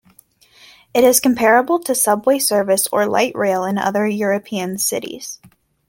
It is comparable to subway service or light rail in other European cities.